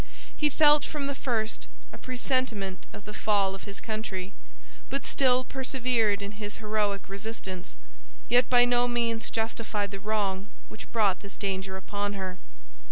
He felt, from the first, a presentiment of the fall of his country, but still persevered in his heroic resistance, yet by no means justified the wrong which brought this danger upon her.